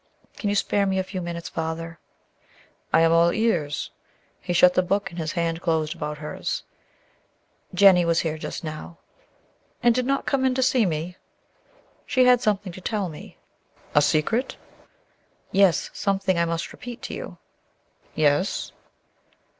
"Can you spare me a few minutes, Father?" "I am all ears;" he shut the book, and his hand closed about hers. "Jennie was here just now." "And did not come in to see me?" "She had something to tell me." "A secret?" "Yes; something I must repeat to you." "Yes?"